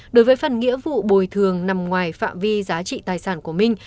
đối với phần nghĩa vụ bồi thường nằm ngoài phạm vi giá trị tài sản của minh